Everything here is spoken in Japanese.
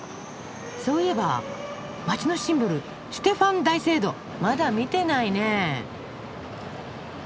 そういえば街のシンボルシュテファン大聖堂まだ見てないね。